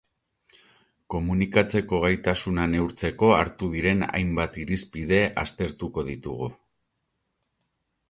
Komunikatzeko gaitasuna neurtzeko hartu diren hainbat irizpide aztertuko ditugu.